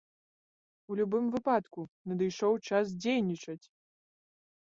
У любым выпадку, надышоў час дзейнічаць!